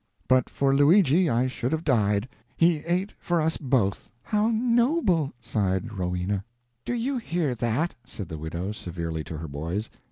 But for Luigi I should have died. He ate for us both." "How noble!" sighed Rowena. "Do you hear that?" said the widow, severely, to her boys.